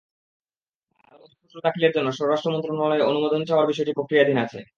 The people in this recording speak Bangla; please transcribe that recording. আদালতে অভিযোগপত্র দাখিলের জন্য স্বরাষ্ট্র মন্ত্রণালয়ে অনুমোদন চাওয়ার বিষয়টি প্রক্রিয়াধীন আছে।